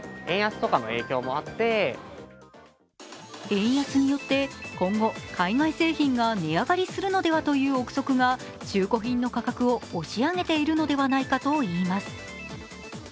円安によって今後、海外製品が値上がりするのではという憶測が中古品の価格を押し上げているのではないかといいます。